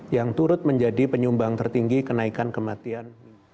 yang turut menjadi penyumbang tertinggi kenaikan kematian